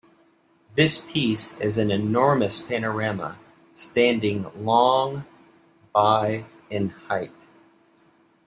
This piece is an enormous panorama standing long by in height.